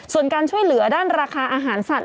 ส่วนการช่วยเหลือด้านราคาอาหารสัตว